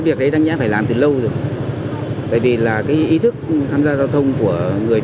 một lần nữa nhắc lại với người tham gia giao thông